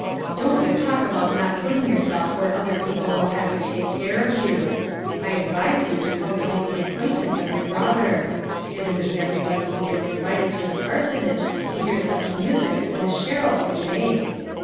Don't you talk about not putting yourself where other people will have to take care of you ! I advise you to cultivate the acquaintance of your brother. It isnl everybody who gets invited to the parsonage to hear such music as Miss Sher rill can make."